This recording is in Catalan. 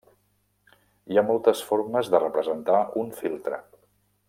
Hi ha moltes formes de representar un filtre.